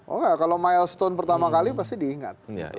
oh enggak kalau milestone pertama kali pasti diingat